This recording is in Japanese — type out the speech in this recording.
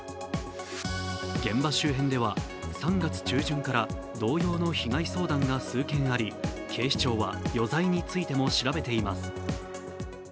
現場周辺では、３月中旬から同様の被害相談が数件あり警視庁は余罪についても調べています。